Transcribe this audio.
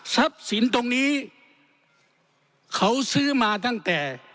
ทรัพย์ศิลป์ตรงนี้เขาซื้อมาตั้งแต่